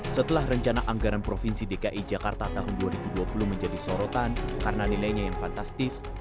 setelah rencana anggaran provinsi dki jakarta tahun dua ribu dua puluh menjadi sorotan karena nilainya yang fantastis